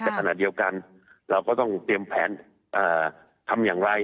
แต่ขณะเดียวกันเราก็ต้องเตรียมแผนทำอย่างไร